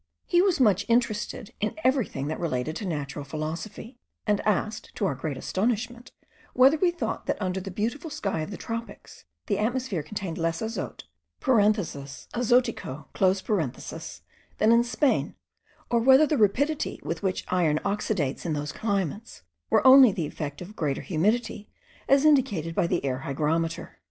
He was much interested in everything that related to natural philosophy; and asked, to our great astonishment, whether we thought, that, under the beautiful sky of the tropics, the atmosphere contained less azote (azotico) than in Spain; or whether the rapidity with which iron oxidates in those climates, were only the effect of greater humidity as indicated by the air hygrometer.